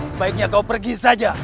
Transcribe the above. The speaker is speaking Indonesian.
sebaiknya kau pergi saja